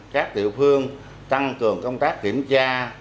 các tiểu phương tăng cường công tác kiểm tra